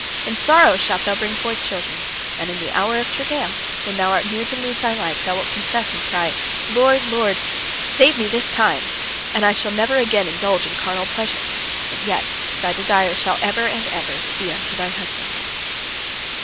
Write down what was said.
In sorrow shalt thou bring forth children, and in the hour of travail, when thou art near to lose thy life, thou wilt confess and cry, 'Lord, Lord, save me this time, and I will never again indulge in carnal pleasure,' and yet thy desire shall ever and ever be unto thy husband."